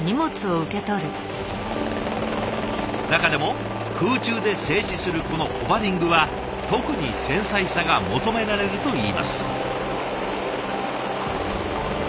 中でも空中で静止するこのホバリングは特に繊細さが求められるといいます。